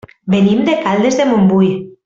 Venim de Caldes de Montbui.